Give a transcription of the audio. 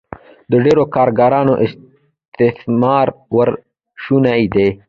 د ډېرو کارګرانو استثمار ورسره شونی دی